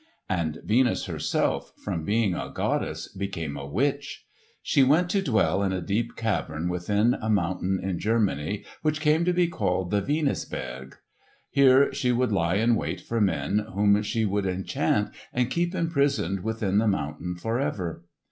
And Venus herself, from being a goddess, became a witch. She went to dwell in a deep cavern within a mountain in Germany which came to be called the Venusberg. Here she would lie in wait for men whom she would enchant and keep imprisoned within the mountain forever.